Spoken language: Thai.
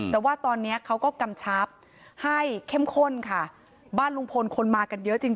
แต่ว่าตอนนี้เขาก็กำชับให้เข้มข้นค่ะบ้านลุงพลคนมากันเยอะจริง